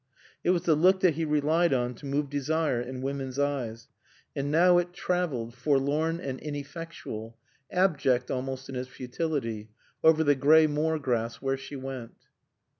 It was the look that he relied on to move desire in women's eyes; and now it traveled, forlorn and ineffectual, abject almost in its futility, over the gray moorgrass where she went.